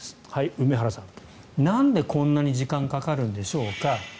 梅原さん、なんでこんなに時間がかかるんでしょうか。